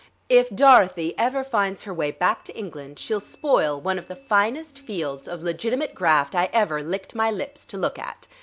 If Dorothy ever finds her way back to England she'll spoil one of the finest fields of legitimate graft I ever licked my lips to look at.